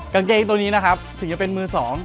กางเกงตัวนี้นะครับถึงจะเป็นมือสอง